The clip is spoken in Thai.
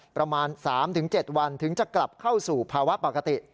ประมาณ๓๗วันถึงจะกลับเข้าสู่ภาวะปกติ